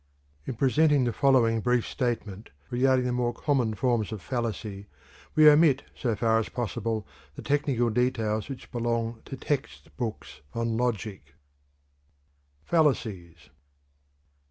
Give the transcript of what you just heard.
In presenting the following brief statement regarding the more common forms of fallacy, we omit so far as possible the technical details which belong to text books on logic. FALLACIES.